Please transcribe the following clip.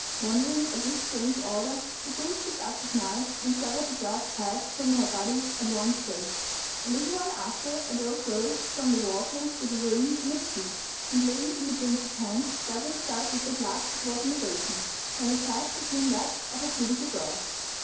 Wondering at this strange order, the prince picked up his knife and severed the dove's head from her body at one stroke. A little while after a dove rose from the water with a ring in its beak, and laying it in the prince's hand, dabbled itself with the blood that was in the basin, when its head became that of a beautiful girl.